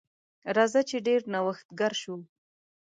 راځه چې ډیر نوښتګر شو.